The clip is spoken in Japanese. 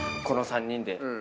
この３人で？